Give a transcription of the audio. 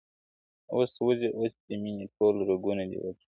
اوس سوځې اوس دې مينې ټول رگونه دي وچ کړي~